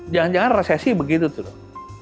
jangan jangan resesi begitu tuh